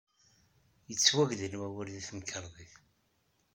Yettwagdel wawal deg temkarḍit.